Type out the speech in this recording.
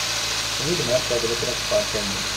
Ini-yi-d mi ara tekkreḍ i wakken ad ṭṭfeɣ amkan-nni!